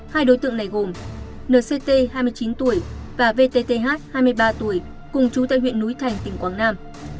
hai đối tượng này gồm nct hai mươi chín tuổi và vtth hai mươi ba tuổi cùng chú tại huyện núi thành tỉnh quảng nam